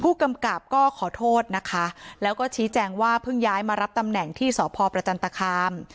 ผู้กำกับก็ขอโทษนะคะแล้วก็ชี้แจงว่าเพิ่งย้ายมารับตำแหน่งที่สพประจันตคาม